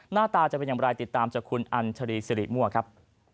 หน้าตาจะเป็นอย่างไรติดตามจากคุณอัญชรีสิริมั่วครับ